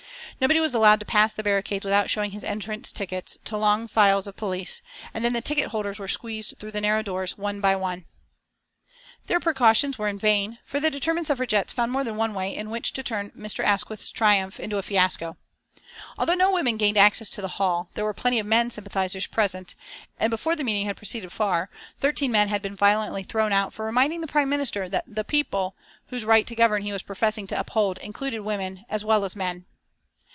Nobody was allowed to pass the barricades without showing his entrance tickets to long files of police, and then the ticket holders were squeezed through the narrow doors one by one. Their precautions were in vain, for the determined Suffragettes found more than one way in which to turn Mr. Asquith's triumph into a fiasco. Although no women gained access to the hall, there were plenty of men sympathisers present, and before the meeting had proceeded far thirteen men had been violently thrown out for reminding the Prime Minister that "the people" whose right to govern he was professing to uphold, included women as well as men.